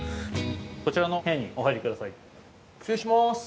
こちらの部屋にお入りくださ失礼します。